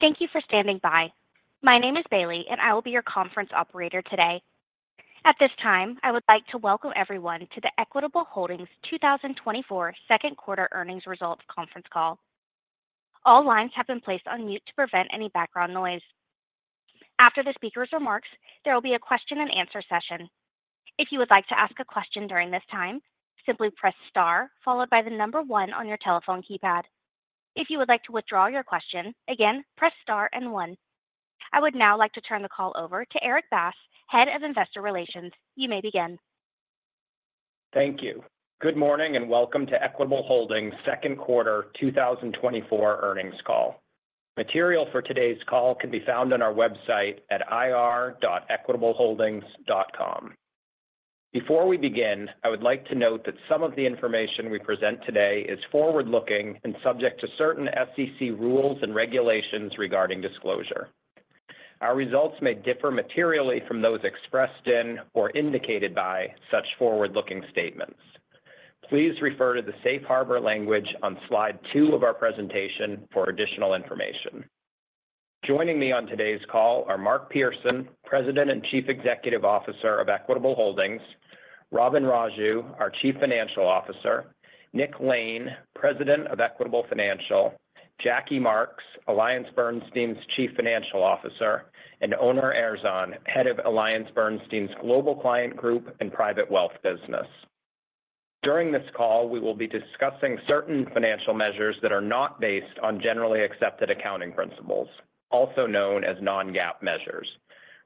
Thank you for standing by. My name is Bailey, and I will be your conference operator today. At this time, I would like to welcome everyone to the Equitable Holdings 2024 second quarter earnings results conference call. All lines have been placed on mute to prevent any background noise. After the speaker's remarks, there will be a question and answer session. If you would like to ask a question during this time, simply press star followed by the number one on your telephone keypad. If you would like to withdraw your question, again, press star and one. I would now like to turn the call over to Erik Bass, Head of Investor Relations. You may begin. Thank you. Good morning, and welcome to Equitable Holdings second quarter 2024 earnings call. Material for today's call can be found on our website at ir.equitableholdings.com. Before we begin, I would like to note that some of the information we present today is forward-looking and subject to certain SEC rules and regulations regarding disclosure. Our results may differ materially from those expressed in or indicated by such forward-looking statements. Please refer to the safe harbor language on slide 2 of our presentation for additional information. Joining me on today's call are Mark Pearson, President and Chief Executive Officer of Equitable Holdings, Robin Raju, our Chief Financial Officer, Nick Lane, President of Equitable Financial, Jackie Marks, AllianceBernstein's Chief Financial Officer, and Onur Erzan, Head of AllianceBernstein's Global Client Group and Private Wealth Business. During this call, we will be discussing certain financial measures that are not based on generally accepted accounting principles, also known as Non-GAAP measures.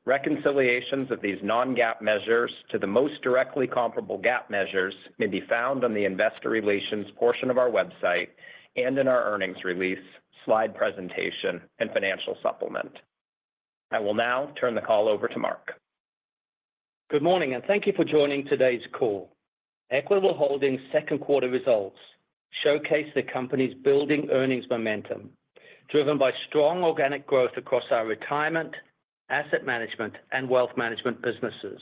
Reconciliations of these Non-GAAP measures to the most directly comparable GAAP measures may be found on the investor relations portion of our website and in our earnings release, slide presentation, and financial supplement. I will now turn the call over to Mark. Good morning, and thank you for joining today's call. Equitable Holdings' second quarter results showcase the company's building earnings momentum, driven by strong organic growth across our retirement, asset management, and Wealth Management businesses.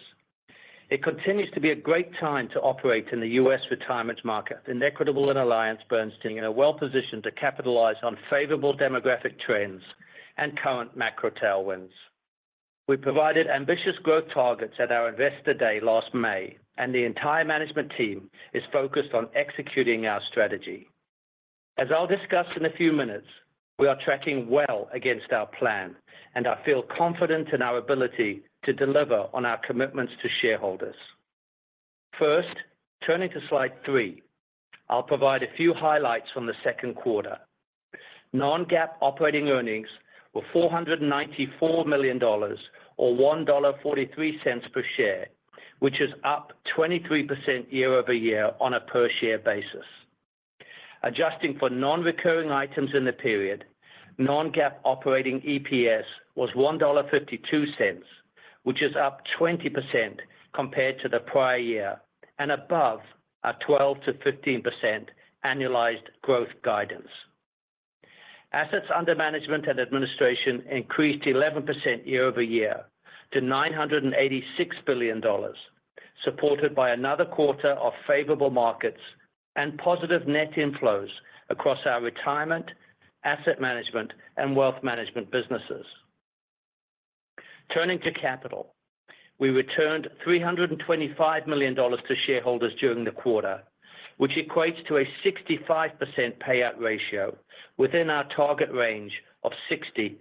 It continues to be a great time to operate in the U.S. retirement market, and Equitable and AllianceBernstein are well-positioned to capitalize on favorable demographic trends and current macro tailwinds. We provided ambitious growth targets at our Investor Day last May, and the entire management team is focused on executing our strategy. As I'll discuss in a few minutes, we are tracking well against our plan, and I feel confident in our ability to deliver on our commitments to shareholders. First, turning to slide 3, I'll provide a few highlights from the second quarter. Non-GAAP operating earnings were $494 million or $1.43 per share, which is up 23% year-over-year on a per-share basis. Adjusting for non-recurring items in the period, Non-GAAP operating EPS was $1.52, which is up 20% compared to the prior year and above our 12%-15% annualized growth guidance. Assets under management and administration increased 11% year-over-year to $986 billion, supported by another quarter of favorable markets and positive net inflows across our retirement, asset management, and Wealth Management businesses. Turning to capital, we returned $325 million to shareholders during the quarter, which equates to a 65% payout ratio within our target range of 60%-70%.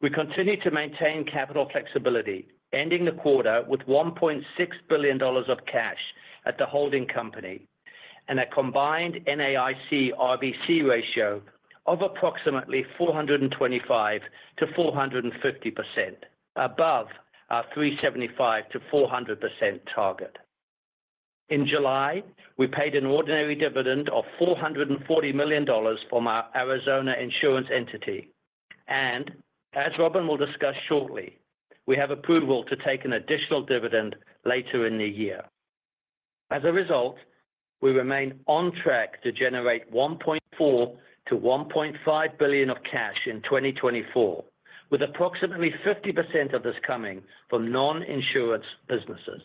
We continue to maintain capital flexibility, ending the quarter with $1.6 billion of cash at the holding company and a combined NAIC RBC ratio of approximately 425%-450%, above our 375%-400% target. In July, we paid an ordinary dividend of $440 million from our Arizona insurance entity, and as Robin will discuss shortly, we have approval to take an additional dividend later in the year. As a result, we remain on track to generate $1.4 billion-$1.5 billion of cash in 2024, with approximately 50% of this coming from non-insurance businesses.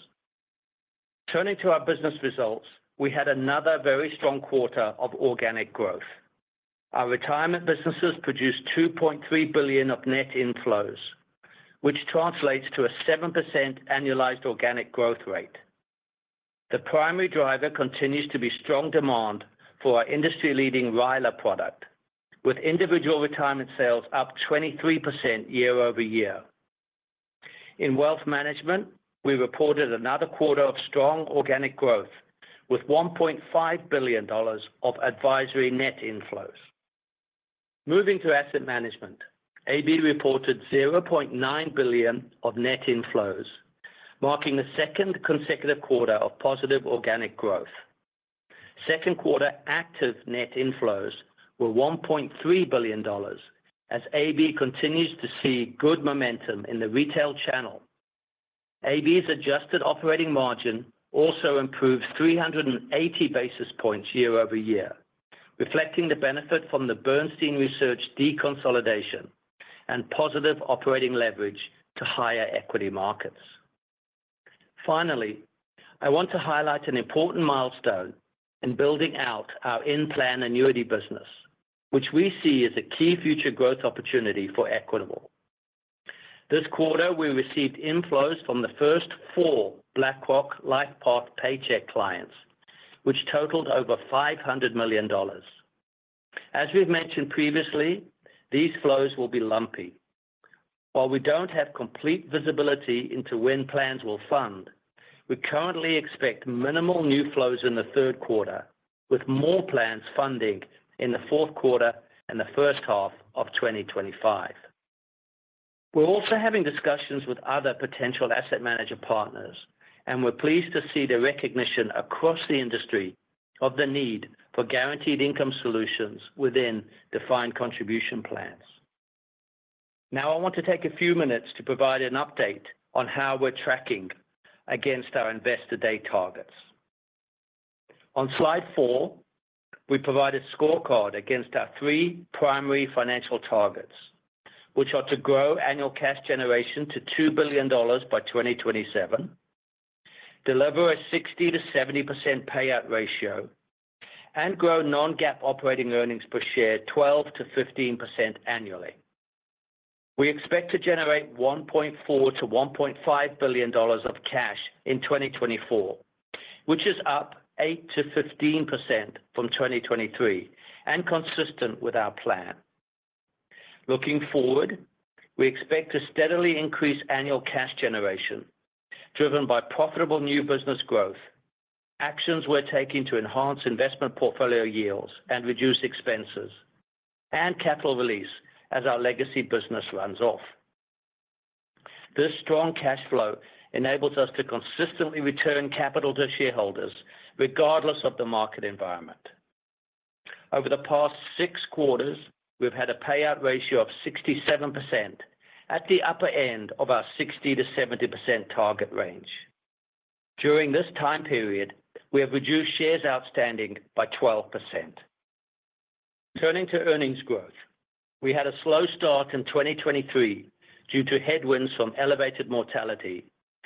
Turning to our business results, we had another very strong quarter of organic growth. Our retirement businesses produced $2.3 billion of net inflows, which translates to a 7% annualized organic growth rate. The primary driver continues to be strong demand for our industry-leading RILA product, with Individual Retirement sales up 23% year-over-year. In Wealth Management, we reported another quarter of strong organic growth, with $1.5 billion of advisory net inflows. Moving to Asset Management, AB reported $0.9 billion of net inflows, marking the second consecutive quarter of positive organic growth. Second quarter active net inflows were $1.3 billion, as AB continues to see good momentum in the retail channel. AB's adjusted operating margin also improved 380 basis points year-over-year, reflecting the benefit from the Bernstein Research deconsolidation and positive operating leverage to higher equity markets. Finally, I want to highlight an important milestone in building out our in-plan annuity business, which we see as a key future growth opportunity for Equitable. This quarter, we received inflows from the first four BlackRock LifePath Paycheck clients, which totaled over $500 million. As we've mentioned previously, these flows will be lumpy. While we don't have complete visibility into when plans will fund, we currently expect minimal new flows in the third quarter, with more plans funding in the fourth quarter and the first half of 2025. We're also having discussions with other potential asset manager partners, and we're pleased to see the recognition across the industry of the need for guaranteed income solutions within defined contribution plans. Now, I want to take a few minutes to provide an update on how we're tracking against our Investor Day targets. On slide four, we provide a scorecard against our three primary financial targets, which are to grow annual cash generation to $2 billion by 2027, deliver a 60%-70% payout ratio, and grow Non-GAAP operating earnings per share 12%-15% annually. We expect to generate $1.4 billion-$1.5 billion of cash in 2024, which is up 8%-15% from 2023 and consistent with our plan. Looking forward, we expect to steadily increase annual cash generation, driven by profitable new business growth, actions we're taking to enhance investment portfolio yields and reduce expenses, and capital release as our legacy business runs off. This strong cash flow enables us to consistently return capital to shareholders, regardless of the market environment. Over the past 6 quarters, we've had a payout ratio of 67% at the upper end of our 60%-70% target range. During this time period, we have reduced shares outstanding by 12%. Turning to earnings growth. We had a slow start in 2023 due to headwinds from elevated mortality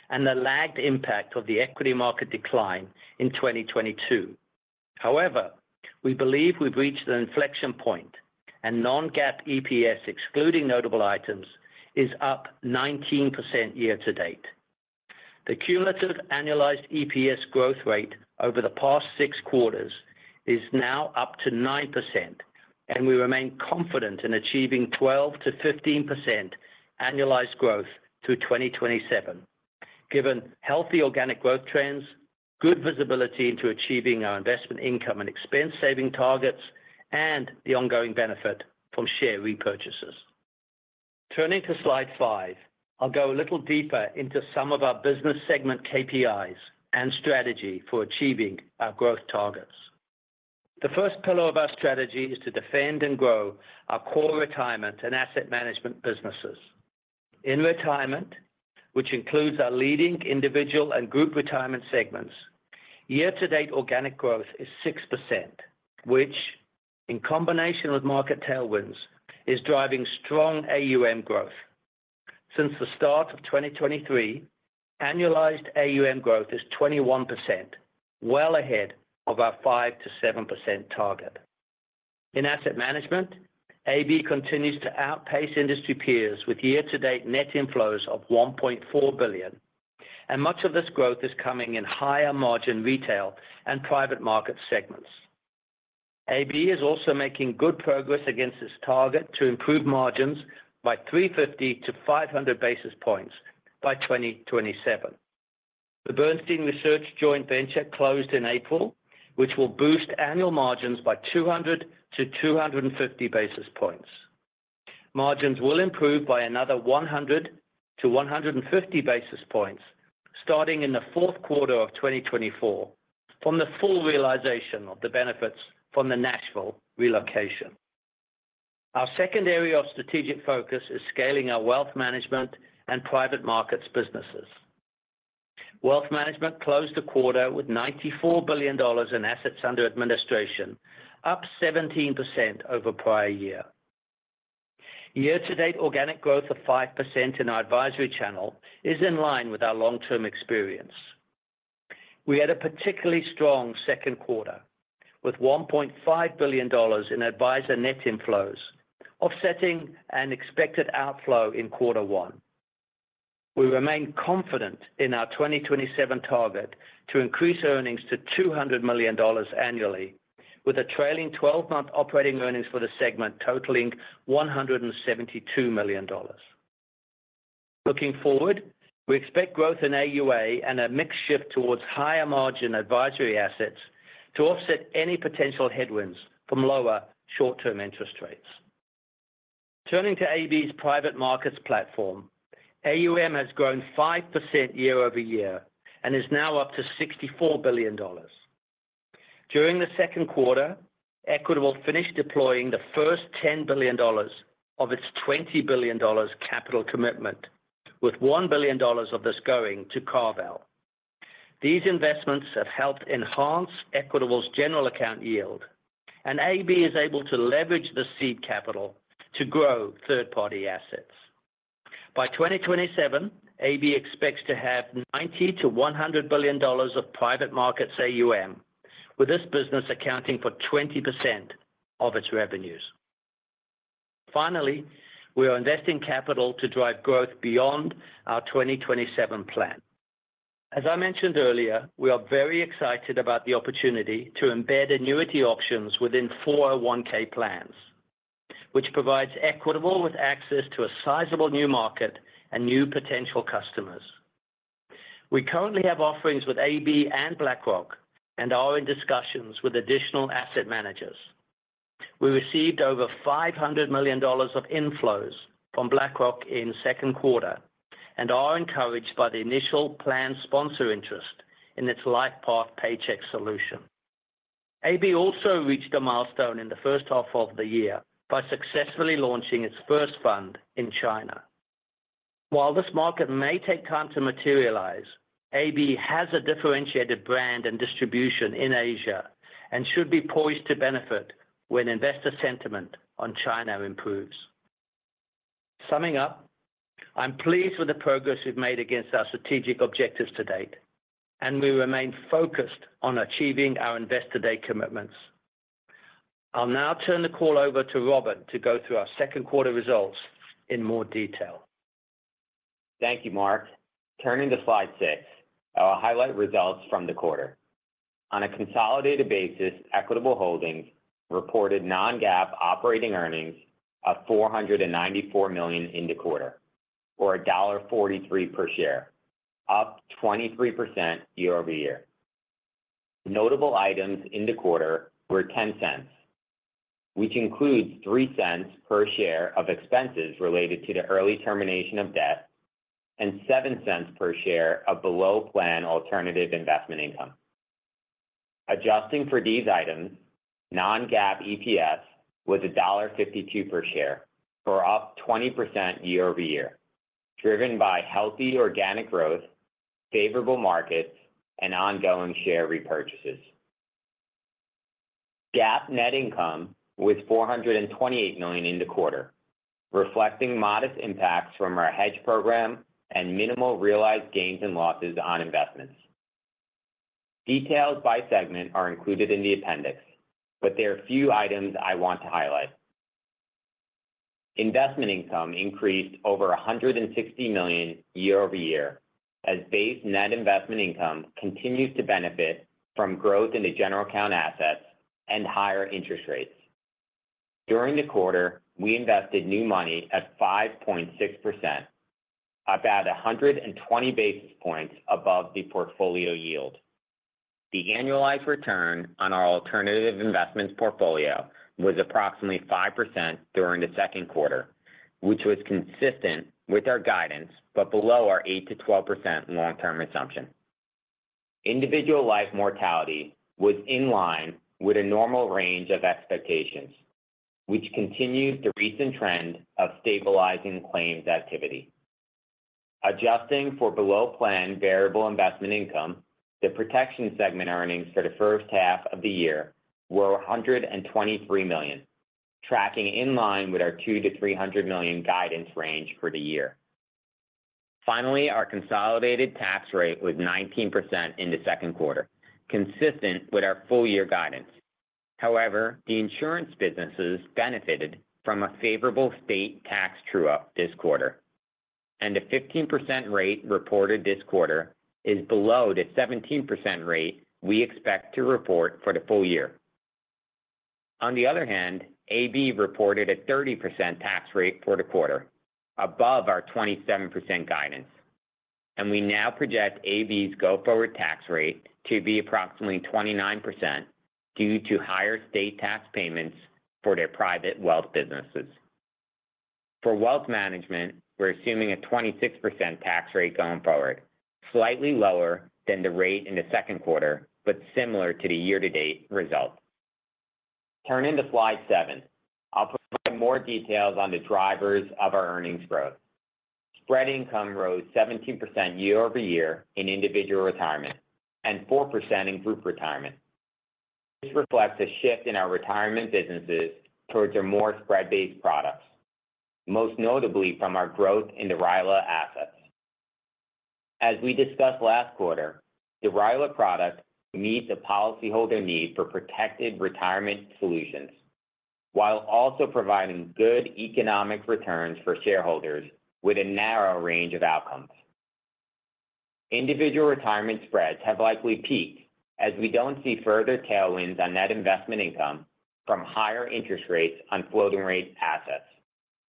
and the lagged impact of the equity market decline in 2022. However, we believe we've reached an inflection point, and Non-GAAP EPS, excluding notable items, is up 19% year-to-date. The cumulative annualized EPS growth rate over the past 6 quarters is now up to 9%, and we remain confident in achieving 12%-15% annualized growth through 2027, given healthy organic growth trends, good visibility into achieving our investment income and expense saving targets, and the ongoing benefit from share repurchases. Turning to slide 5, I'll go a little deeper into some of our business segment KPIs and strategy for achieving our growth targets. The first pillar of our strategy is to defend and grow our core Retirement and Asset Management businesses. In Retirement, which includes our leading Individual and Group Retirement segments, year-to-date organic growth is 6%, which, in combination with market tailwinds, is driving strong AUM growth. Since the start of 2023, annualized AUM growth is 21%, well ahead of our 5%-7% target. In Asset Management, AB continues to outpace industry peers with year-to-date net inflows of $1.4 billion, and much of this growth is coming in higher margin retail and private market segments. AB is also making good progress against its target to improve margins by 350-500 basis points by 2027. The Bernstein Research joint venture closed in April, which will boost annual margins by 200-250 basis points. Margins will improve by another 100-150 basis points, starting in the fourth quarter of 2024, from the full realization of the benefits from the Nashville relocation. Our second area of strategic focus is scaling our Wealth Management and private markets businesses. Wealth Management closed the quarter with $94 billion in assets under administration, up 17% over prior year. Year-to-date, organic growth of 5% in our advisory channel is in line with our long-term experience. We had a particularly strong second quarter, with $1.5 billion in advisor net inflows, offsetting an expected outflow in quarter one. We remain confident in our 2027 target to increase earnings to $200 million annually, with a trailing 12-month operating earnings for the segment totaling $172 million. Looking forward, we expect growth in AUA and a mix shift towards higher margin advisory assets to offset any potential headwinds from lower short-term interest rates. Turning to AB's private markets platform, AUM has grown 5% year-over-year and is now up to $64 billion. During the second quarter, Equitable finished deploying the first $10 billion of its $20 billion capital commitment, with $1 billion of this going to CarVal. These investments have helped enhance Equitable's general account yield, and AB is able to leverage the seed capital to grow third-party assets. By 2027, AB expects to have $90 billion-$100 billion of private markets AUM, with this business accounting for 20% of its revenues. Finally, we are investing capital to drive growth beyond our 2027 plan. As I mentioned earlier, we are very excited about the opportunity to embed annuity options within 401(k) plans, which provides Equitable with access to a sizable new market and new potential customers. We currently have offerings with AB and BlackRock, and are in discussions with additional asset managers. We received over $500 million of inflows from BlackRock in second quarter, and are encouraged by the initial planned sponsor interest in its LifePath Paycheck solution. AB also reached a milestone in the first half of the year by successfully launching its first fund in China. While this market may take time to materialize, AB has a differentiated brand and distribution in Asia, and should be poised to benefit when investor sentiment on China improves. Summing up, I'm pleased with the progress we've made against our strategic objectives to date, and we remain focused on achieving our investor day commitments. I'll now turn the call over to Robin to go through our second quarter results in more detail. Thank you, Mark. Turning to slide 6, I'll highlight results from the quarter. On a consolidated basis, Equitable Holdings reported Non-GAAP operating earnings of $494 million in the quarter, or $1.43 per share, up 23% year-over-year. Notable items in the quarter were $0.10, which includes $0.03 per share of expenses related to the early termination of debt and $0.07 per share of below-plan alternative investment income. Adjusting for these items, Non-GAAP EPS was $1.52 per share, for up 20% year-over-year, driven by healthy organic growth, favorable markets, and ongoing share repurchases. GAAP net income was $428 million in the quarter, reflecting modest impacts from our hedge program and minimal realized gains and losses on investments. Details by segment are included in the appendix, but there are a few items I want to highlight. Investment income increased over $160 million year-over-year, as base net investment income continues to benefit from growth in the general account assets and higher interest rates. During the quarter, we invested new money at 5.6%, about 120 basis points above the portfolio yield. The annualized return on our alternative investments portfolio was approximately 5% during the second quarter, which was consistent with our guidance, but below our 8%-12% long-term assumption. Individual life mortality was in line with a normal range of expectations, which continues the recent trend of stabilizing claims activity. Adjusting for below-plan variable investment income, the protection segment earnings for the first half of the year were $123 million, tracking in line with our $200 million-$300 million guidance range for the year. Finally, our consolidated tax rate was 19% in the second quarter, consistent with our full year guidance. However, the insurance businesses benefited from a favorable state tax true-up this quarter, and a 15% rate reported this quarter is below the 17% rate we expect to report for the full year. On the other hand, AB reported a 30% tax rate for the quarter, above our 27% guidance, and we now project AB's go-forward tax rate to be approximately 29% due to higher state tax payments for their private wealth businesses. For Wealth Management, we're assuming a 26% tax rate going forward, slightly lower than the rate in the second quarter, but similar to the year-to-date result. Turning to slide 7, I'll provide more details on the drivers of our earnings growth. Spread income rose 17% year-over-year in Individual Retirement and 4% in Group Retirement. This reflects a shift in our retirement businesses towards a more spread-based products, most notably from our growth in the RILA assets. As we discussed last quarter, the RILA product meets the policyholder need for protected retirement solutions, while also providing good economic returns for shareholders with a narrow range of outcomes. Individual Retirement spreads have likely peaked, as we don't see further tailwinds on net investment income from higher interest rates on floating rate assets,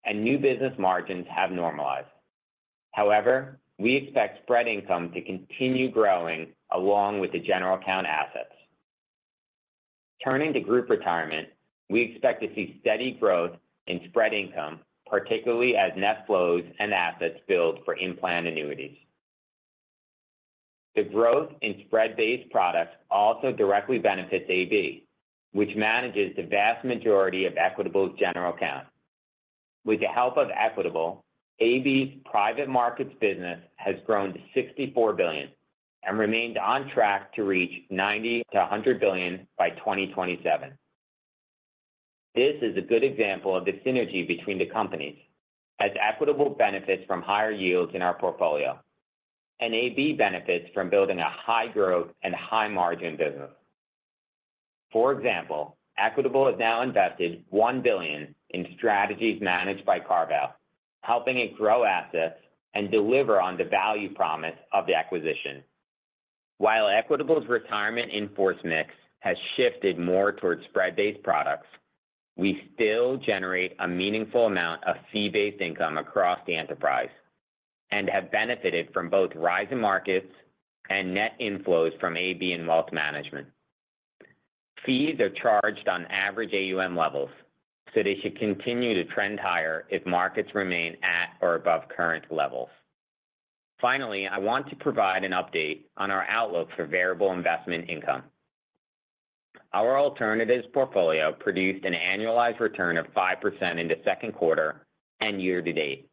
and new business margins have normalized. However, we expect spread income to continue growing along with the general account assets. Turning to Group Retirement, we expect to see steady growth in spread income, particularly as net flows and assets build for in-plan annuities. The growth in spread-based products also directly benefits AB, which manages the vast majority of Equitable's general account. With the help of Equitable, AB's private markets business has grown to $64 billion and remained on track to reach $90 billion-$100 billion by 2027. This is a good example of the synergy between the companies, as Equitable benefits from higher yields in our portfolio, and AB benefits from building a high growth and high margin business. For example, Equitable has now invested $1 billion in strategies managed by AB CarVal, helping it grow assets and deliver on the value promise of the acquisition. While Equitable's retirement franchise has shifted more towards spread-based products, we still generate a meaningful amount of fee-based income across the enterprise, and have benefited from both rising markets and net inflows from AB and Wealth Management. Fees are charged on average AUM levels, so they should continue to trend higher if markets remain at or above current levels. Finally, I want to provide an update on our outlook for variable investment income. Our alternatives portfolio produced an annualized return of 5% in the second quarter and year-to-date.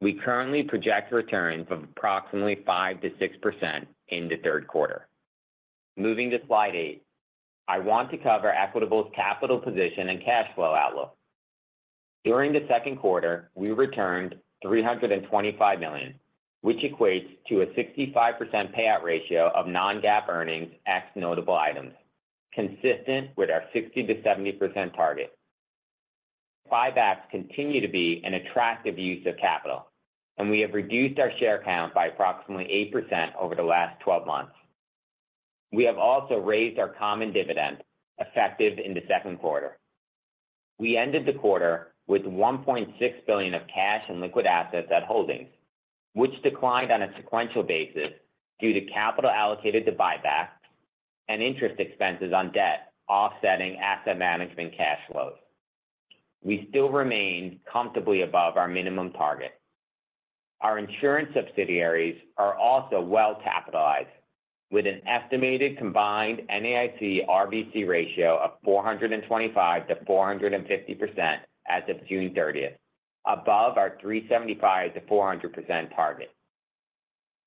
We currently project returns of approximately 5%-6% in the third quarter. Moving to slide 8, I want to cover Equitable's capital position and cash flow outlook. During the second quarter, we returned $325 million, which equates to a 65% payout ratio of Non-GAAP earnings ex notable items, consistent with our 60%-70% target. Buybacks continue to be an attractive use of capital, and we have reduced our share count by approximately 8% over the last 12 months. We have also raised our common dividend, effective in the second quarter. We ended the quarter with $1.6 billion of cash and liquid assets at Holdings, which declined on a sequential basis due to capital allocated to buybacks and interest expenses on debt offsetting asset management cash flows. We still remain comfortably above our minimum target. Our insurance subsidiaries are also well-capitalized, with an estimated combined NAIC RBC ratio of 425%-450% as of June 30th, above our 375%-400% target.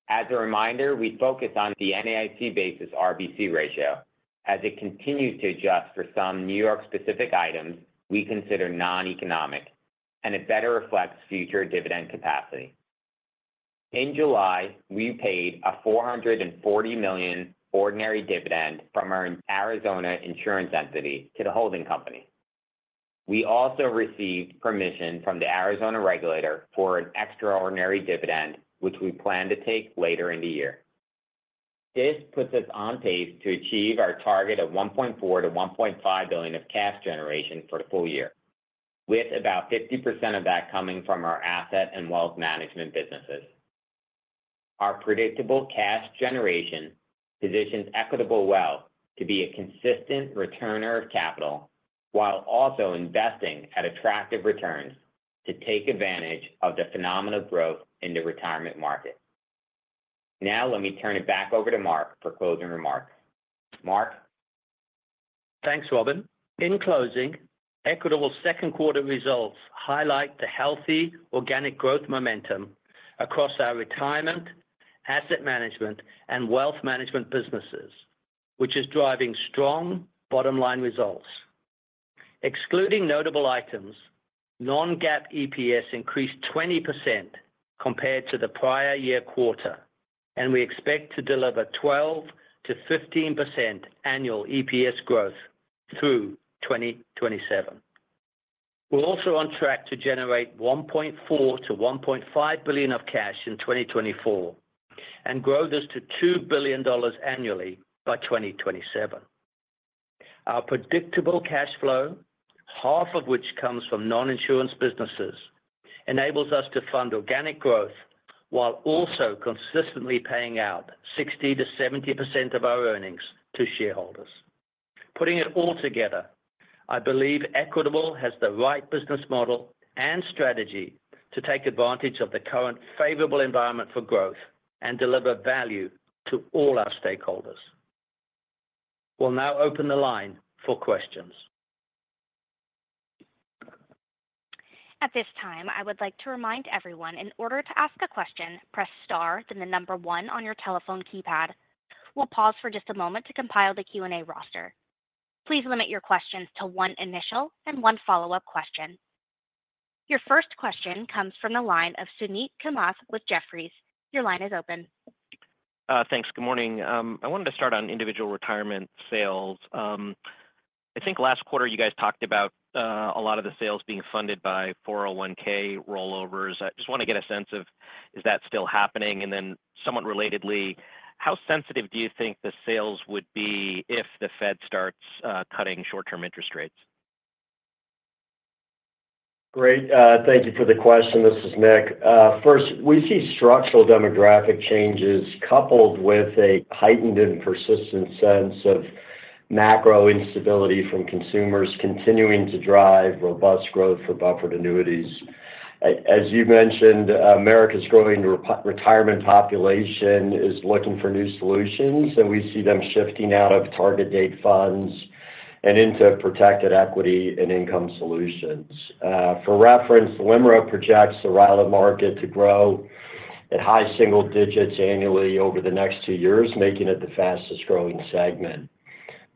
As a reminder, we focus on the NAIC basis RBC ratio, as it continues to adjust for some New York-specific items we consider non-economic, and it better reflects future dividend capacity. In July, we paid a $440 million ordinary dividend from our Arizona insurance entity to the holding company. We also received permission from the Arizona regulator for an extraordinary dividend, which we plan to take later in the year. This puts us on pace to achieve our target of $1.4 billion-$1.5 billion of cash generation for the full year, with about 50% of that coming from our asset and Wealth Management businesses. Our predictable cash generation positions Equitable well to be a consistent returner of capital, while also investing at attractive returns to take advantage of the phenomenal growth in the retirement market. Now, let me turn it back over to Mark for closing remarks. Mark? Thanks, Robin. In closing, Equitable's second quarter results highlight the healthy organic growth momentum across our retirement, asset management, and Wealth Management businesses, which is driving strong bottom-line results. Excluding notable items, Non-GAAP EPS increased 20% compared to the prior-year quarter, and we expect to deliver 12%-15% annual EPS growth through 2027. We're also on track to generate $1.4 billion-$1.5 billion of cash in 2024, and grow this to $2 billion annually by 2027. Our predictable cash flow, half of which comes from non-insurance businesses, enables us to fund organic growth, while also consistently paying out 60%-70% of our earnings to shareholders. Putting it all together, I believe Equitable has the right business model and strategy to take advantage of the current favorable environment for growth and deliver value to all our stakeholders. We'll now open the line for questions. At this time, I would like to remind everyone, in order to ask a question, press star, then the number one on your telephone keypad. We'll pause for just a moment to compile the Q&A roster. Please limit your questions to one initial and one follow-up question. Your first question comes from the line of Suneet Kamath with Jefferies. Your line is open. Thanks. Good morning. I wanted to start on Individual Retirement sales. I think last quarter you guys talked about a lot of the sales being funded by 401(k) rollovers. I just want to get a sense of, is that still happening? And then, somewhat relatedly, how sensitive do you think the sales would be if the Fed starts cutting short-term interest rates? Great. Thank you for the question. This is Nick. First, we see structural demographic changes, coupled with a heightened and persistent sense of macro instability from consumers continuing to drive robust growth for buffered annuities. As you mentioned, America's growing retirement population is looking for new solutions, and we see them shifting out of target date funds and into protected equity and income solutions. For reference, LIMRA projects the RILA market to grow at high single digits annually over the next two years, making it the fastest growing segment.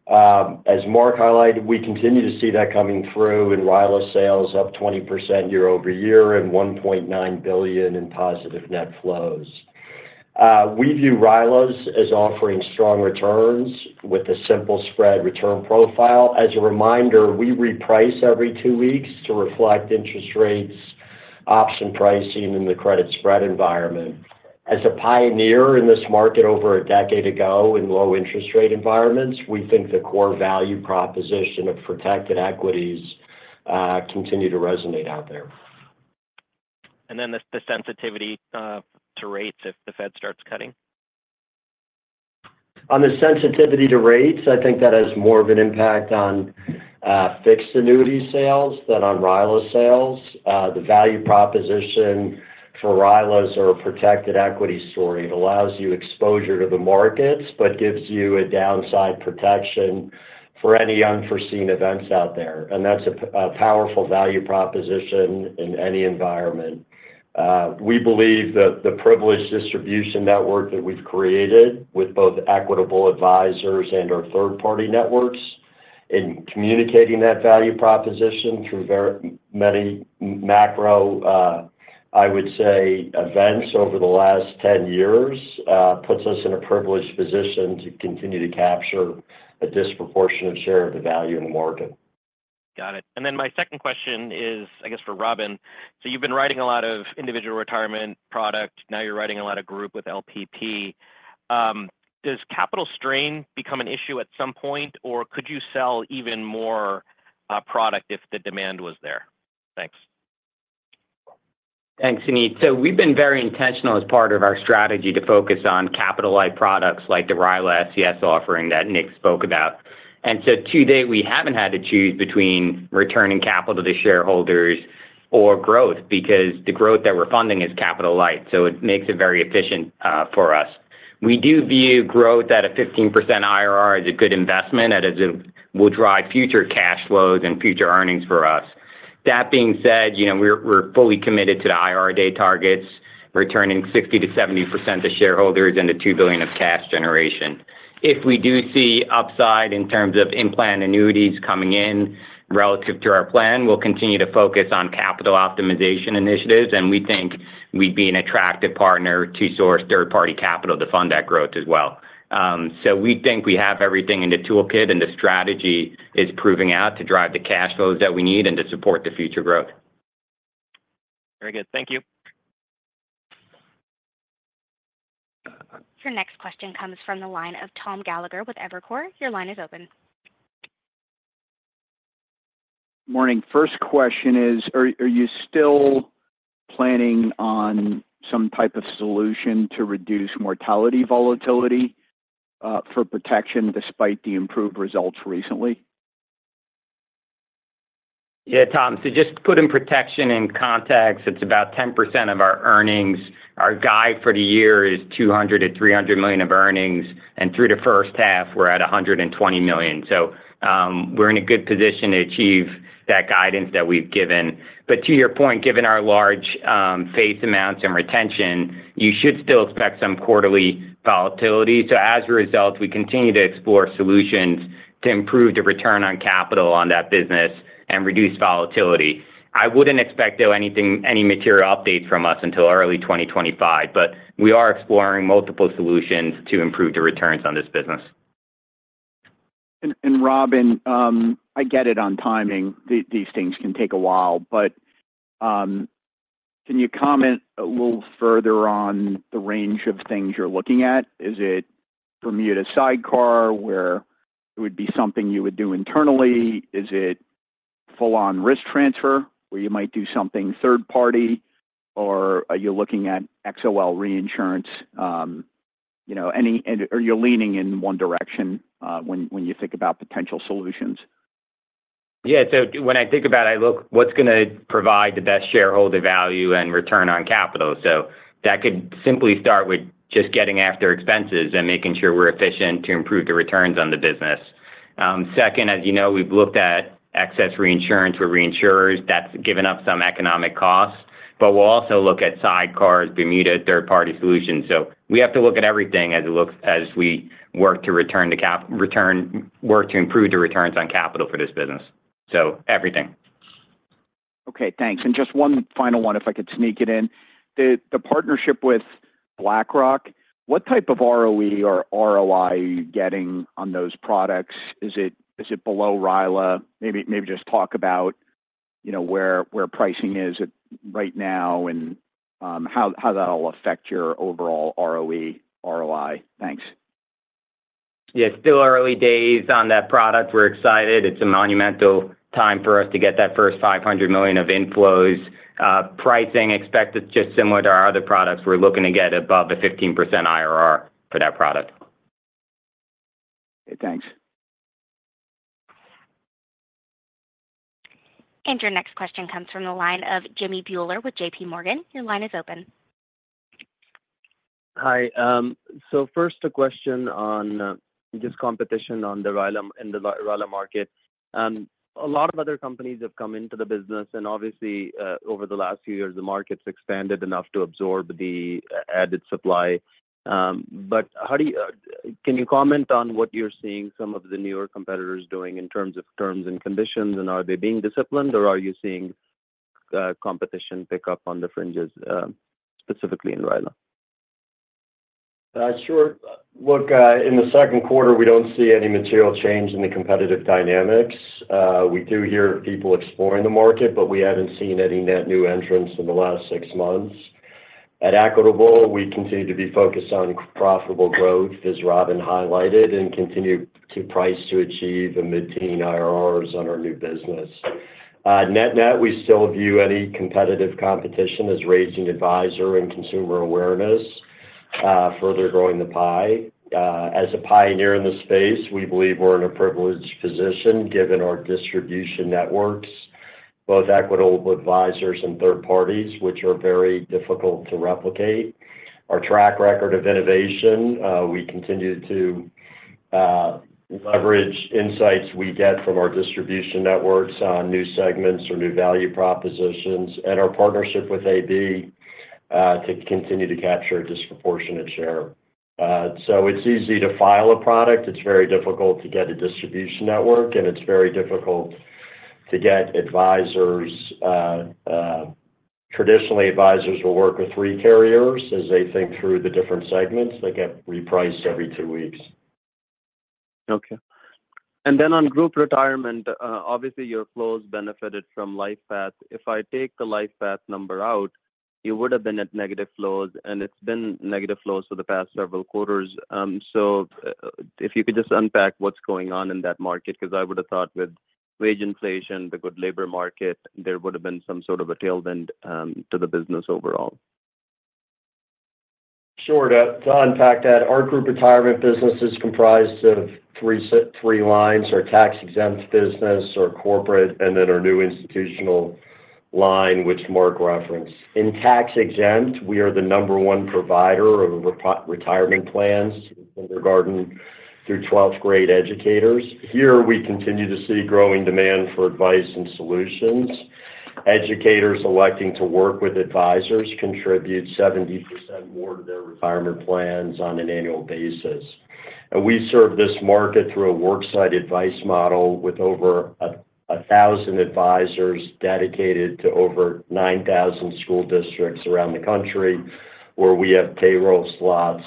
As Mark highlighted, we continue to see that coming through in RILA sales, up 20% year-over-year and $1.9 billion in positive net flows. We view RILAs as offering strong returns with a simple spread return profile. As a reminder, we reprice every 2 weeks to reflect interest rates, option pricing in the credit spread environment. As a pioneer in this market over a decade ago in low interest rate environments, we think the core value proposition of protected equities continue to resonate out there. The sensitivity to rates if the Fed starts cutting? On the sensitivity to rates, I think that has more of an impact on, fixed annuity sales than on RILA sales. The value proposition for RILAs are a protected equity story. It allows you exposure to the markets, but gives you a downside protection for any unforeseen events out there, and that's a powerful value proposition in any environment. We believe that the privileged distribution network that we've created with both Equitable Advisors and our third-party networks in communicating that value proposition through various many macro, I would say, events over the last 10 years, puts us in a privileged position to continue to capture a disproportionate share of the value in the market. Got it. And then my second question is, I guess, for Robin. So you've been writing a lot of Individual Retirement product. Now you're writing a lot of Group with LPP. Does capital strain become an issue at some point, or could you sell even more product if the demand was there? Thanks. Thanks, Suneet. So we've been very intentional as part of our strategy to focus on capital-light products like the RILA SCS offering that Nick spoke about. And so to date, we haven't had to choose between returning capital to shareholders or growth, because the growth that we're funding is capital light, so it makes it very efficient for us. We do view growth at a 15% IRR as a good investment, as it will drive future cash flows and future earnings for us. That being said, you know, we're fully committed to the Investor Day targets, returning 60%-70% to shareholders and the $2 billion of cash generation. If we do see upside in terms of in-plan annuities coming in relative to our plan, we'll continue to focus on capital optimization initiatives, and we think we'd be an attractive partner to source third-party capital to fund that growth as well. So we think we have everything in the toolkit, and the strategy is proving out to drive the cash flows that we need and to support the future growth. Very good. Thank you. Your next question comes from the line of Tom Gallagher with Evercore. Your line is open. Morning. First question is, are you still planning on some type of solution to reduce mortality volatility for protection despite the improved results recently? Yeah, Tom. So just put protection in context, it's about 10% of our earnings. Our guide for the year is $200 million-$300 million of earnings, and through the first half, we're at $120 million. So, we're in a good position to achieve that guidance that we've given. But to your point, given our large face amounts and retention, you should still expect some quarterly volatility. So as a result, we continue to explore solutions to improve the return on capital on that business and reduce volatility. I wouldn't expect, though, any material update from us until early 2025, but we are exploring multiple solutions to improve the returns on this business. Robin, I get it on timing. These things can take a while, but can you comment a little further on the range of things you're looking at? Is it Bermuda sidecar, where it would be something you would do internally? Is it full-on risk transfer, where you might do something third party, or are you looking at XOL reinsurance? You know, or you're leaning in one direction, when you think about potential solutions. Yeah, so when I think about it, I look what's gonna provide the best shareholder value and return on capital. So that could simply start with just getting after expenses and making sure we're efficient to improve the returns on the business. Second, as you know, we've looked at excess reinsurance, where reinsurers, that's given up some economic costs, but we'll also look at sidecars, Bermuda, third-party solutions. So we have to look at everything as we work to improve the returns on capital for this business. So everything. Okay, thanks. And just one final one, if I could sneak it in. The partnership with BlackRock, what type of ROE or ROI are you getting on those products? Is it below RILA? Maybe just talk about, you know, where pricing is at right now and how that'll affect your overall ROE, ROI. Thanks. Yeah, still early days on that product. We're excited. It's a monumental time for us to get that first $500 million of inflows. Pricing, expect it's just similar to our other products. We're looking to get above a 15% IRR for that product. Okay, thanks. Your next question comes from the line of Jimmy Bhullar with JPMorgan. Your line is open. Hi, so first, a question on just competition on the RILA, in the RILA market. A lot of other companies have come into the business, and obviously, over the last few years, the market's expanded enough to absorb the added supply. But how do you—can you comment on what you're seeing some of the newer competitors doing in terms of terms and conditions? And are they being disciplined, or are you seeing competition pick up on the fringes, specifically in RILA? Sure. Look, in the second quarter, we don't see any material change in the competitive dynamics. We do hear people exploring the market, but we haven't seen any net new entrants in the last six months. At Equitable, we continue to be focused on profitable growth, as Robin highlighted, and continue to price to achieve the mid-teen IRRs on our new business. Net-net, we still view any competitive competition as raising advisor and consumer awareness, further growing the pie. As a pioneer in the space, we believe we're in a privileged position, given our distribution networks, both Equitable Advisors and third parties, which are very difficult to replicate. Our track record of innovation, we continue to leverage insights we get from our distribution networks on new segments or new value propositions and our partnership with AB, to continue to capture a disproportionate share. So it's easy to file a product. It's very difficult to get a distribution network, and it's very difficult to get advisors. Traditionally, advisors will work with three carriers as they think through the different segments. They get repriced every two weeks. Okay. And then on Group Retirement, obviously, your flows benefited from LifePath. If I take the LifePath number out, you would have been at negative flows, and it's been negative flows for the past several quarters. So if you could just unpack what's going on in that market, 'cause I would have thought with wage inflation, the good labor market, there would have been some sort of a tailwind to the business overall. Sure. To unpack that, our Group Retirement business is comprised of three lines: our tax-exempt business, our corporate, and then our new institutional line, which Mark referenced. In tax-exempt, we are the number one provider of retirement plans for kindergarten through 12th-grade educators. Here, we continue to see growing demand for advice and solutions. Educators electing to work with advisors contribute 70% more to their retirement plans on an annual basis. And we serve this market through a work site advice model with over a thousand advisors dedicated to over 9,000 school districts around the country where we have payroll slots,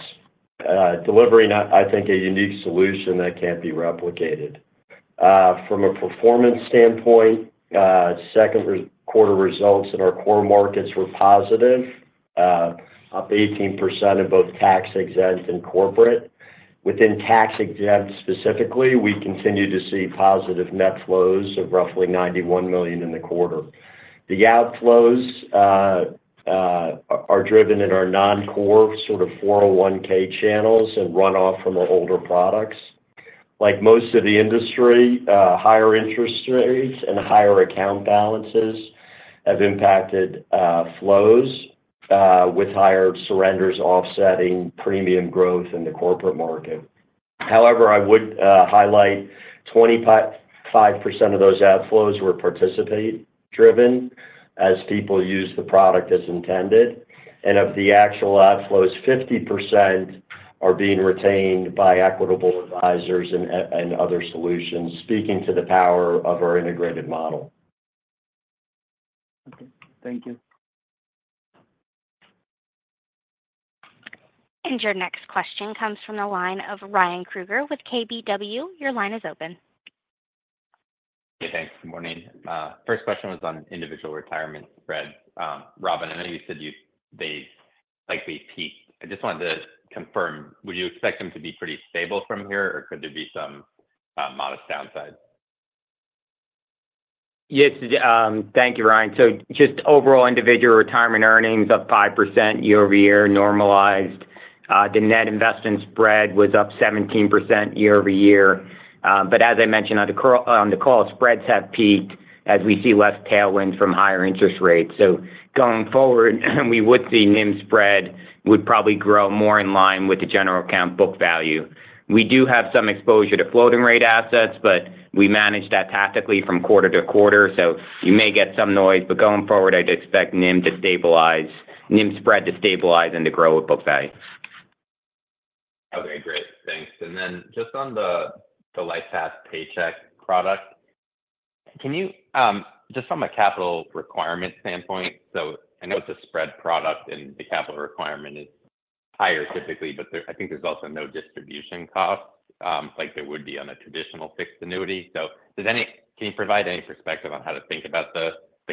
delivering, I think, a unique solution that can't be replicated. From a performance standpoint, second quarter results in our core markets were positive, up 18% in both tax-exempt and corporate. Within tax-exempt specifically, we continue to see positive net flows of roughly $91 million in the quarter. The outflows are driven in our non-core, sort of, 401(k) channels and run off from our older products. Like most of the industry, higher interest rates and higher account balances have impacted flows, with higher surrenders offsetting premium growth in the corporate market. However, I would highlight 25% of those outflows were participant driven as people use the product as intended, and of the actual outflows, 50% are being retained by Equitable Advisors and other solutions, speaking to the power of our integrated model. Okay. Thank you. Your next question comes from the line of Ryan Krueger with KBW. Your line is open. Yeah, thanks. Good morning. First question was on Individual Retirement spreads. Robin, I know you said they likely peaked. I just wanted to confirm, would you expect them to be pretty stable from here, or could there be some modest downside? Yes, thank you, Ryan. So just overall Individual Retirement earnings up 5% year-over-year, normalized. The net investment spread was up 17% year-over-year. But as I mentioned on the call, spreads have peaked as we see less tailwind from higher interest rates. So going forward, we would see NIM spread would probably grow more in line with the general account book value. We do have some exposure to floating rate assets, but we manage that tactically from quarter-to-quarter, so you may get some noise, but going forward, I'd expect NIM spread to stabilize and to grow with book value. Okay, great. Thanks. And then just on the LifePath Paycheck product, can you just from a capital requirement standpoint, so I know it's a spread product and the capital requirement is higher typically, but there I think there's also no distribution costs like there would be on a traditional fixed annuity. So can you provide any perspective on how to think about the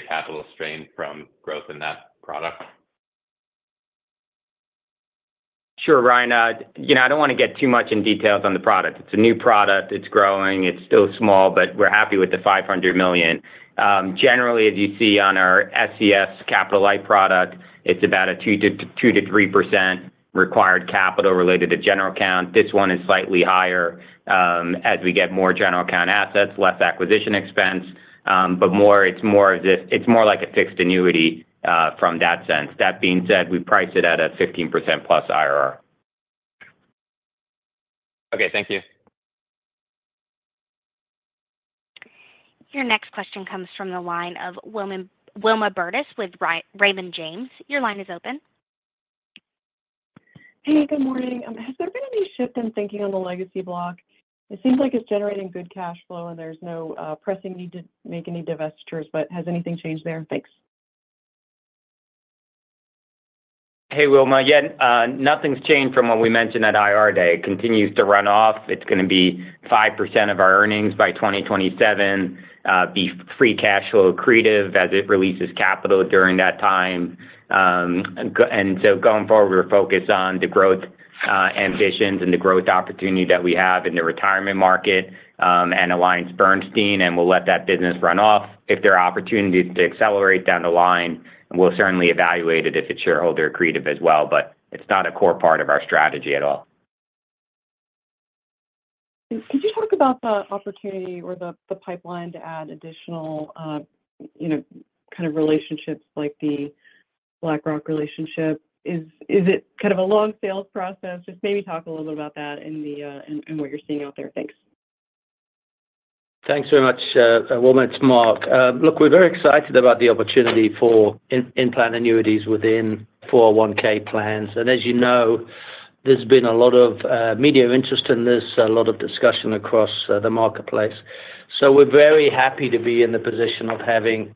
capital strain from growth in that product? Sure, Ryan, you know, I don't want to get too much in details on the product. It's a new product. It's growing. It's still small, but we're happy with the $500 million. Generally, as you see on our SCS capital-light product, it's about a 2%-3% required capital related to general account. This one is slightly higher, as we get more general account assets, less acquisition expense, but more. It's more of this. It's more like a fixed annuity from that sense. That being said, we price it at a 15%+ IRR. Okay, thank you. Your next question comes from the line of Wilma Burdis with Raymond James. Your line is open. Hey, good morning. Has there been any shift in thinking on the legacy block? It seems like it's generating good cash flow, and there's no pressing need to make any divestitures, but has anything changed there? Thanks. Hey, Wilma. Yeah, nothing's changed from what we mentioned at IR day. It continues to run off. It's going to be 5% of our earnings by 2027, be free cash flow accretive as it releases capital during that time. And so going forward, we're focused on the growth ambitions and the growth opportunity that we have in the retirement market, and AllianceBernstein, and we'll let that business run off. If there are opportunities to accelerate down the line, we'll certainly evaluate it if it's shareholder accretive as well, but it's not a core part of our strategy at all. Could you talk about the opportunity or the pipeline to add additional, you know, kind of relationships like the BlackRock relationship? Is it kind of a long sales process? Just maybe talk a little bit about that and what you're seeing out there. Thanks. Thanks very much, Wilma, it's Mark. Look, we're very excited about the opportunity for in-plan annuities within 401(k) plans. And as you know, there's been a lot of media interest in this, a lot of discussion across the marketplace. So we're very happy to be in the position of having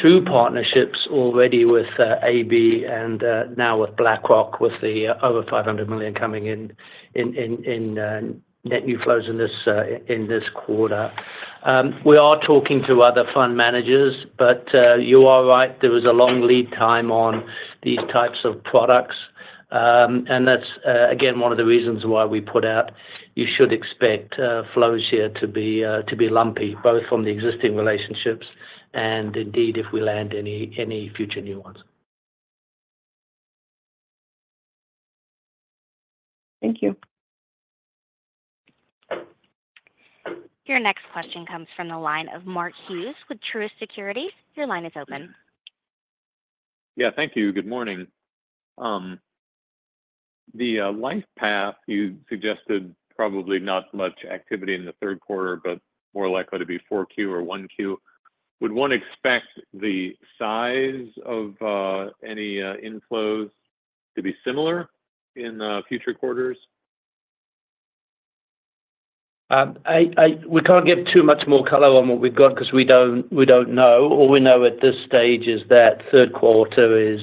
two partnerships already with AB and now with BlackRock, with the over $500 million coming in in net new flows in this quarter. We are talking to other fund managers, but you are right, there is a long lead time on these types of products. And that's, again, one of the reasons why we put out, you should expect, flows here to be lumpy, both from the existing relationships and indeed, if we land any future new ones. Thank you. Your next question comes from the line of Mark Hughes with Truist Securities. Your line is open. Yeah, thank you. Good morning. The LifePath, you suggested probably not much activity in the third quarter, but more likely to be 4Q or 1Q. Would one expect the size of any inflows to be similar in future quarters? We can't give too much more color on what we've got because we don't know. All we know at this stage is that third quarter is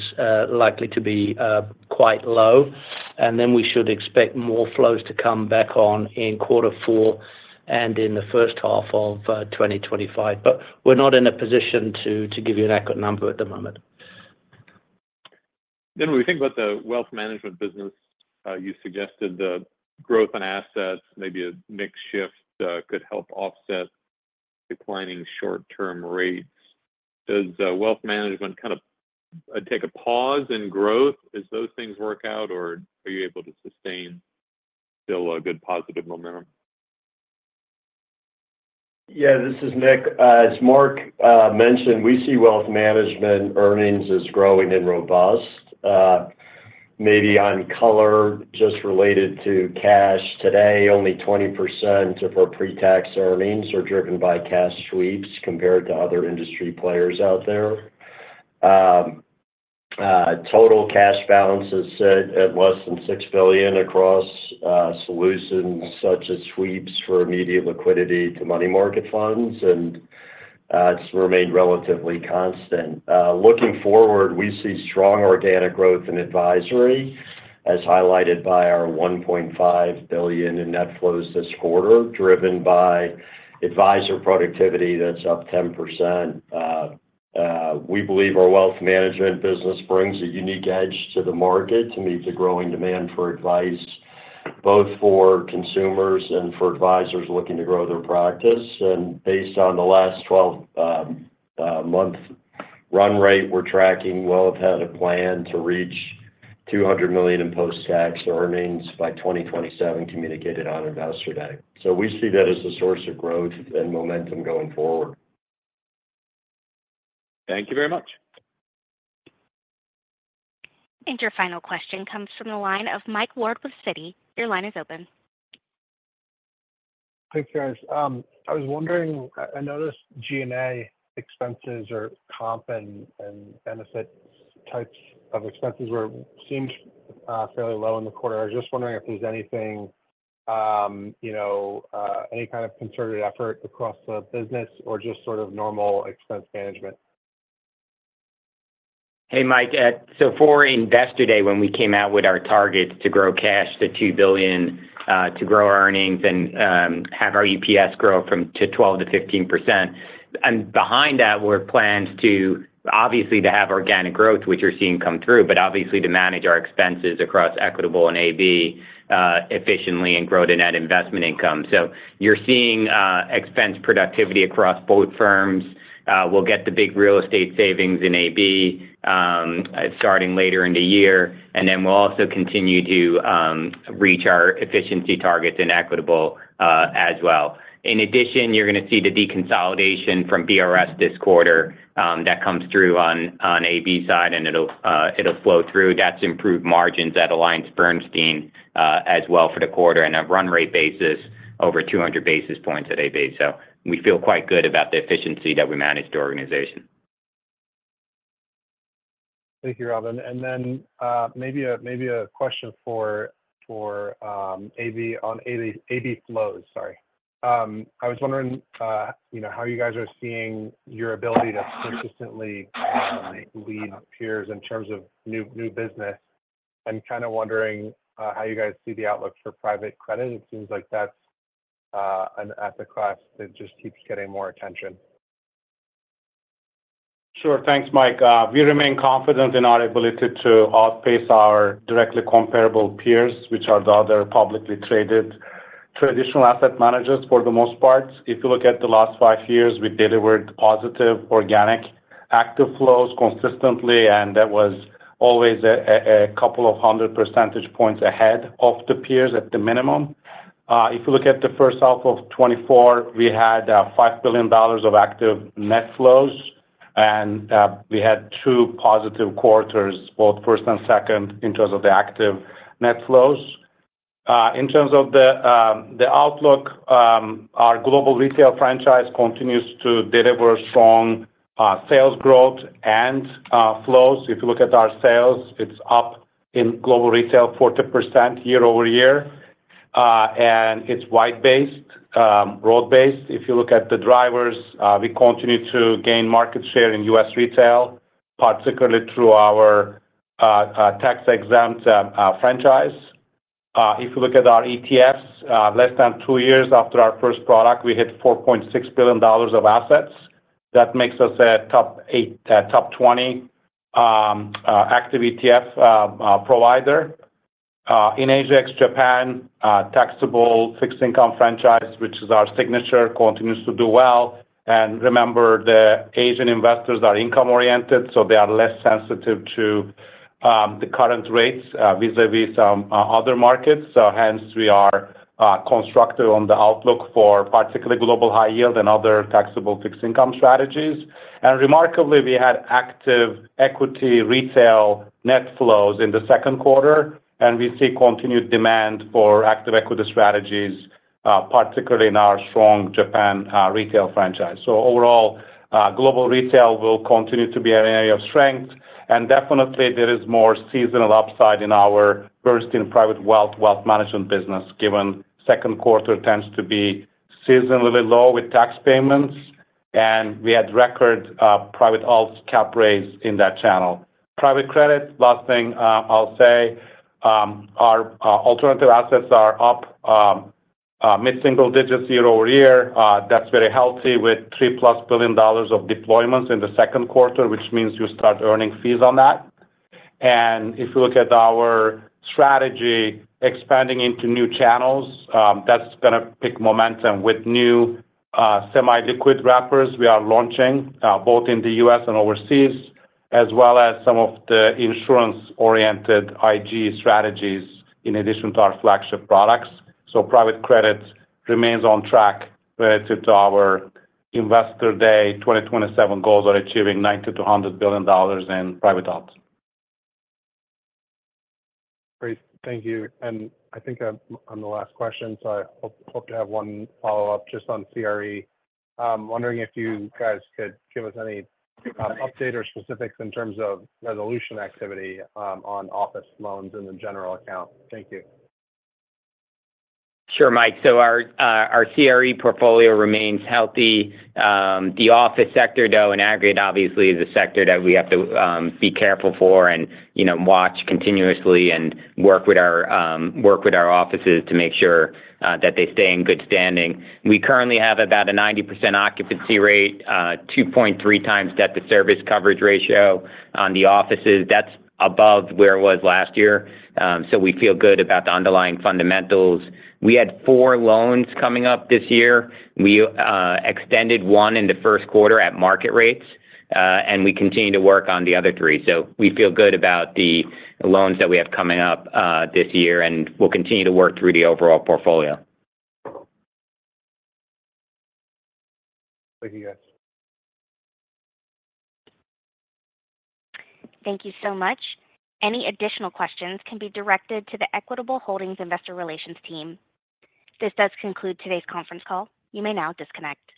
likely to be quite low, and then we should expect more flows to come back on in quarter four and in the first half of 2025. But we're not in a position to give you an accurate number at the moment. Then when we think about the Wealth Management business, you suggested the growth in assets, maybe a mix shift, could help offset declining short-term rates. Does Wealth Management kind of take a pause in growth as those things work out, or are you able to sustain still a good positive momentum? Yeah, this is Nick. As Mark mentioned, we see Wealth Management earnings as growing and robust. Maybe on color, just related to cash today, only 20% of our pre-tax earnings are driven by cash sweeps compared to other industry players out there. Total cash balances sit at less than $6 billion across solutions such as sweeps for immediate liquidity to money market funds, and it's remained relatively constant. Looking forward, we see strong organic growth in advisory, as highlighted by our $1.5 billion in net flows this quarter, driven by advisor productivity that's up 10%. We believe our Wealth Management business brings a unique edge to the market to meet the growing demand for advice, both for consumers and for advisors looking to grow their practice. Based on the last 12-month run rate, we're tracking we'll have had a plan to reach $200 million in post-tax earnings by 2027, communicated on Investor Day. We see that as a source of growth and momentum going forward. Thank you very much. Your final question comes from the line of Mike Ward with Citi. Your line is open. Thanks, guys. I was wondering, I noticed G&A expenses or comp and benefit types of expenses were, seemed fairly low in the quarter. I was just wondering if there's anything, you know, any kind of concerted effort across the business or just sort of normal expense management? Hey, Mike. So for Investor Day, when we came out with our targets to grow cash to $2 billion, to grow our earnings and have our EPS grow to 12%-15%. Behind that were plans to, obviously, to have organic growth, which you're seeing come through, but obviously to manage our expenses across Equitable and AB efficiently and grow the net investment income. So you're seeing expense productivity across both firms. We'll get the big real estate savings in AB starting later in the year, and then we'll also continue to reach our efficiency targets in Equitable as well. In addition, you're gonna see the deconsolidation from BRS this quarter that comes through on AB side, and it'll flow through. That's improved margins at AllianceBernstein, as well for the quarter, and a run rate basis over 200 basis points at AB. So we feel quite good about the efficiency that we managed the organization. Thank you, Robin. And then, maybe a question for AB on AB flows, sorry. I was wondering, you know, how you guys are seeing your ability to consistently lead peers in terms of new, new business. I'm kind of wondering how you guys see the outlook for private credit. It seems like that's an asset class that just keeps getting more attention. Sure. Thanks, Mike. We remain confident in our ability to outpace our directly comparable peers, which are the other publicly traded traditional asset managers, for the most part. If you look at the last five years, we delivered positive organic active flows consistently, and that was always a couple of hundred percentage points ahead of the peers at the minimum. If you look at the first half of 2024, we had $5 billion of active net flows, and we had two positive quarters, both first and second, in terms of the active net flows. In terms of the outlook, our global retail franchise continues to deliver strong sales growth and flows. If you look at our sales, it's up in global retail, 40% year-over-year, and it's wide-based, broad-based. If you look at the drivers, we continue to gain market share in U.S. retail, particularly through our tax-exempt franchise. If you look at our ETFs, less than two years after our first product, we hit $4.6 billion of assets. That makes us a top eight, top 20 active ETF provider. In Asia ex Japan, taxable fixed income franchise, which is our signature, continues to do well. And remember, the Asian investors are income-oriented, so they are less sensitive to the current rates vis-a-vis some other markets. So hence, we are constructive on the outlook for particularly global high yield and other taxable fixed income strategies. Remarkably, we had active equity retail net flows in the second quarter, and we see continued demand for active equity strategies, particularly in our strong Japan retail franchise. So overall, global retail will continue to be an area of strength, and definitely there is more seasonal upside in our Bernstein Private Wealth Management, wealth management business, given second quarter tends to be seasonally low with tax payments, and we had record private alts cap raise in that channel. Private credit, last thing, I'll say, our alternative assets are up mid-single digits year-over-year. That's very healthy with $3+ billion of deployments in the second quarter, which means you start earning fees on that. If you look at our strategy expanding into new channels, that's gonna pick momentum with new, semi-liquid wrappers we are launching, both in the U.S. and overseas, as well as some of the insurance-oriented IG strategies, in addition to our flagship products. Private credit remains on track relative to our investor day. 2027 goals are achieving $90 billion-$100 billion in private alts. Great. Thank you. And I think I'm the last question, so I hope to have one follow-up just on CRE. I'm wondering if you guys could give us any update or specifics in terms of resolution activity on office loans in the general account. Thank you. Sure, Mike. So our CRE portfolio remains healthy. The office sector, though, in aggregate, obviously, is a sector that we have to be careful for and, you know, watch continuously and work with our offices to make sure that they stay in good standing. We currently have about a 90% occupancy rate, 2.3x debt-to-service coverage ratio on the offices. That's above where it was last year, so we feel good about the underlying fundamentals. We had 4 loans coming up this year. We extended one in the first quarter at market rates, and we continue to work on the other 3. So we feel good about the loans that we have coming up this year, and we'll continue to work through the overall portfolio. Thank you, guys. Thank you so much. Any additional questions can be directed to the Equitable Holdings investor relations team. This does conclude today's conference call. You may now disconnect.